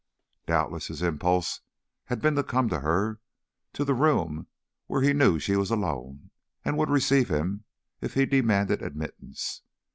Doubtless his impulse had been to come to her, to the room where he knew she was alone and would receive him if he demanded admittance.